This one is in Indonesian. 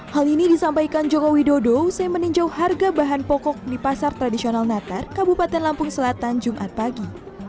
hal ini disampaikan joko widodo usai meninjau harga bahan pokok di pasar tradisional natar kabupaten lampung selatan jumat pagi